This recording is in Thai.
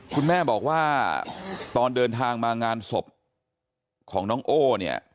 คุณแม่บอกว่าตอนเดินทางมางานศพของน้องโอ้เนี่ย